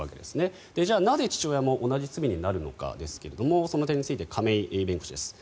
じゃあ、なぜ父親も同じ罪になるのかですがその点について亀井弁護士です。